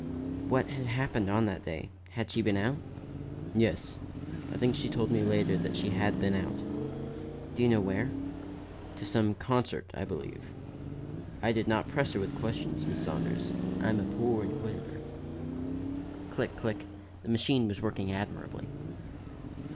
"What had happened on that day? Had she been out?" "Yes, I think she told me later that she had been out." "Do you know where?" "To some concert, I believe. I did not press her with questions, Miss Saunders; I am a poor inquisitor." Click, click; the machine was working admirably.